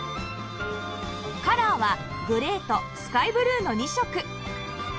カラーはグレーとスカイブルーの２色